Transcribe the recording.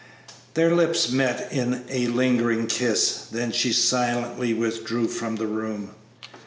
Their lips met in a lingering kiss, then she silently withdrew from the room.